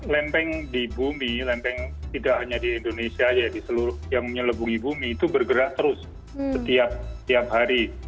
lempeng di bumi lempeng tidak hanya di indonesia saja yang menyelebungi bumi itu bergerak terus setiap hari